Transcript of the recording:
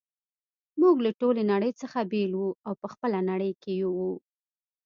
موږ له ټولې نړۍ څخه بیل وو او په خپله نړۍ کي وو.